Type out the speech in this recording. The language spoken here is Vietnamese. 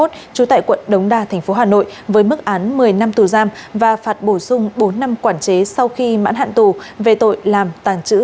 trú tại quận đống đa tp hà nội với mức án một mươi năm tù giam và phạt bổ sung bốn năm quản chế sau khi mãn hạn tù về tội làm tàng trữ